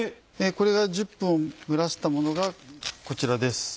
これが１０分蒸らしたものがこちらです。